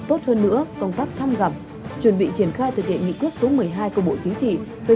tốt hơn nữa công tác thăm gặp chuẩn bị triển khai thực hiện nghị quyết số một mươi hai của bộ chính trị về